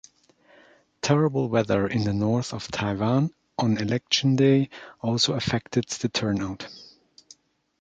Terrible weather in the north of Taiwan on election day also affected the turnout.